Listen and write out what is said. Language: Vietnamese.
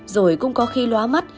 rồi cũng có khi lóa mắt